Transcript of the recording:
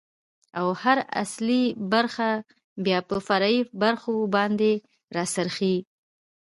، او هر اصلي برخه بيا په فرعي برخو باندې را څرخي.